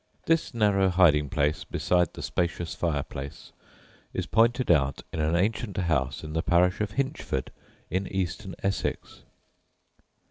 This narrow hiding place, beside the spacious fire place, is pointed out in an ancient house in the parish of Hinchford, in Eastern Essex.